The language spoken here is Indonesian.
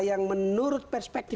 yang menurut perspektif